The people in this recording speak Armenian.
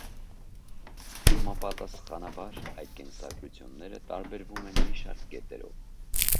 Համապատասխանաբար, այդ կենսագրությունները տարբերվում են մի շարք կետերով։